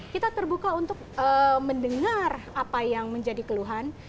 kita terbuka untuk mendengar apa yang menjadi keluhan